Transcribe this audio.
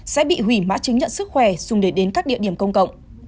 sẽ bị hủy mã chứng nhận sức khỏe dùng để đến các địa điểm công cộng